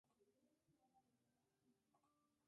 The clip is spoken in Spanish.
Con estas normas no se efectúa ninguna innovación jurídica.